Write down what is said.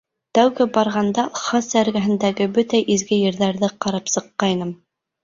Тәүге барғанда Лхаса эргәһендәге бөтә изге ерҙәрҙе ҡарап сыҡҡайным.